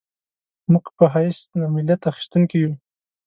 موږ په حیث د ملت اخیستونکي یو.